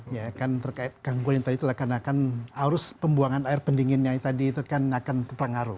ya kan terkait gangguan yang tadi itu akan akan arus pembuangan air pendinginnya tadi itu kan akan terpengaruh